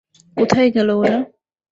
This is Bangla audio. কোথায় গেল ওরা?